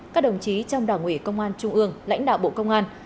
các đồng chí trong đảng ủy công an trung ương lãnh đạo bộ công an